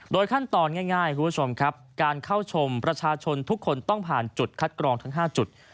ขั้นตอนง่ายคุณผู้ชมครับการเข้าชมประชาชนทุกคนต้องผ่านจุดคัดกรองทั้ง๕จุด